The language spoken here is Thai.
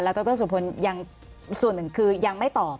แล้วดรสุรพนธ์ส่วนหนึ่งคือยังไม่ตอบ